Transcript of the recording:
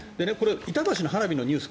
板橋の花火のニュース